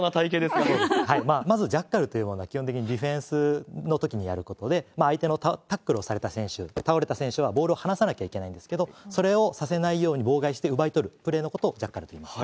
まず、ジャッカルというのは基本的にディフェンスのときにやることで、相手のタックルをされた選手、倒れた選手はボールを離さなきゃいけないんですけれども、それをさせないように妨害して奪い取るプレーのことをジャッカルといいます。